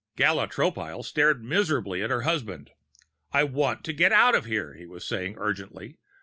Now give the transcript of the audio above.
Gala Tropile stared miserably at her husband. "I want to get out of here," he was saying urgently.